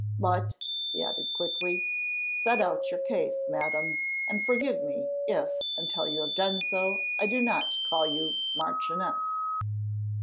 "But," he added quickly, "set out your case, Madam, and forgive me if, until you have done so, I do not call you Marchioness."